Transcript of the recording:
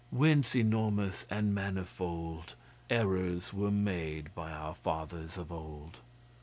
Whence enormous and manifold Errors were made by our fathers of old.